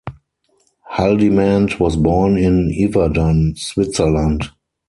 Haldimand was born in Yverdon, Switzerland.